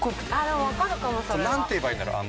でもわかるかもそれは。なんて言えばいいんだろう？